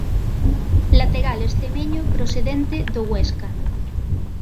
Lateral estremeño procedente do Huesca.